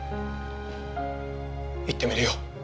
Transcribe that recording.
行ってみるよ。